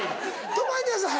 止まりなさい！